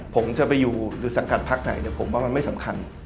ผมจะไปอยู่หรือสังกัดพักไหนเนี่ยผมว่ามันไม่สำคัญ